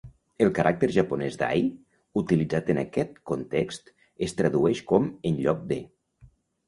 El caràcter japonès "dai" utilitzat en aquest context es tradueix com "en lloc de".